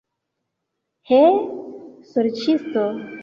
He, sorĉisto!